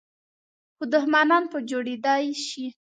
خو دښمنان په جوړېدای شي .